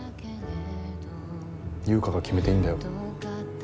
優香が決めていいんだよ